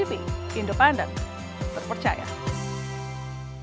begitu saja sekian pak terima kasih